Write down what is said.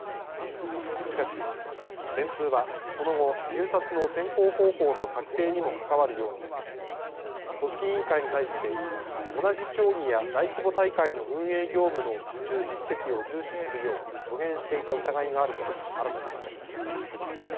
しかし電通はその後、入札の選考方法の策定にも関わるようになり組織委員会に対して同じ競技や大規模大会の運営業務の受注実績を重視するよう助言していた疑いがあることが新たに分かりました。